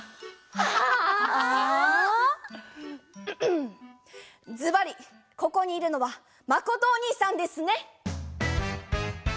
んんっずばりここにいるのはまことおにいさんですね！